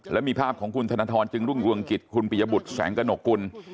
และมีภาพของคุณธนทรจึงรุ่งรวงกิจคุณปิยบุตรแสงกระหนกกุล